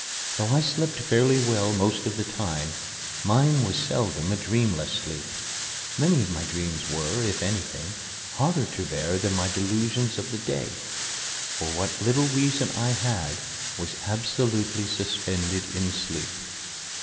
Though I slept fairly well most of the time, mine was seldom a dreamless sleep. Many of my dreams were, if anything, harder to bear than my delusions of the day, for what little reason I had was absolutely suspended in sleep.